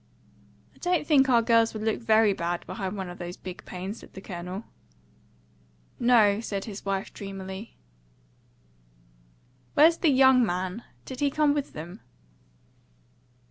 "I don't think our girls would look very bad behind one of those big panes," said the Colonel. "No," said his wife dreamily. "Where's the YOUNG man? Did he come with them?"